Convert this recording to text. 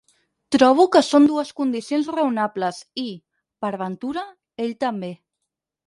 Trobo que són dues condicions raonables i, per ventura, ell també.